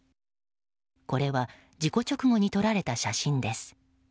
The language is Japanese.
これは事故直後に撮られた写真です。